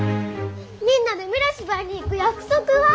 みんなで村芝居に行く約束は？